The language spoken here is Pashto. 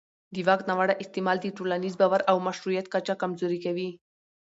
د واک ناوړه استعمال د ټولنیز باور او مشروعیت کچه کمزوري کوي